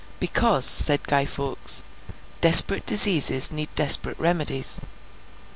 'Because,' said Guy Fawkes, 'desperate diseases need desperate remedies.